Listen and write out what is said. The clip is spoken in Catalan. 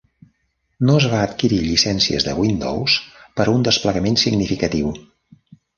No es va adquirir llicències de Windows per a un desplegament significatiu.